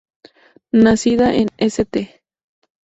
Nacida en St.